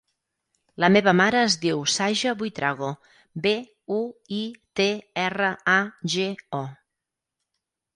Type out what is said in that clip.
La meva mare es diu Saja Buitrago: be, u, i, te, erra, a, ge, o.